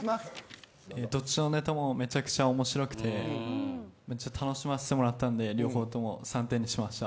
どっちのネタもめちゃくちゃ面白くて楽しませてもらったんで両方とも３点にしました。